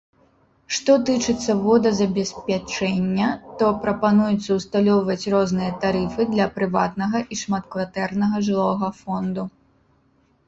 Што тычыцца водазабеспячэння, то прапануецца ўсталёўваць розныя тарыфы для прыватнага і шматкватэрнага жылога фонду.